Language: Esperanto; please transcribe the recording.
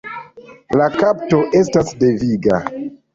La kapto estas deviga.